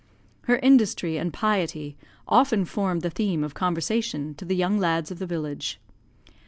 "Her industry and piety often formed the theme of conversation to the young lads of the village.